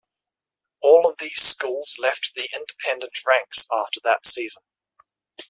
All of these schools left the independent ranks after that season.